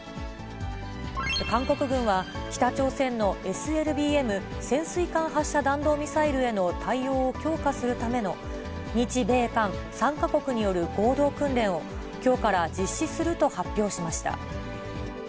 韓国軍は、北朝鮮のＳＬＢＭ・潜水艦発射弾道ミサイルへの対応を強化するための、日米韓３か国による合同訓練を、きょうから実施すると発表しました。